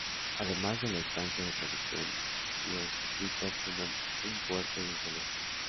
Además de la estancia de producción, los Jesuitas fundan un puerto y un colegio.